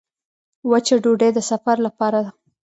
وچه ډوډۍ د سفر لپاره ده.